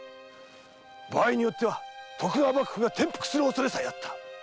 場合によっては徳川幕府が転覆する恐れさえあった！